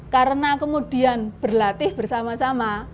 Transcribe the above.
karena kemudian berlatih bersama sama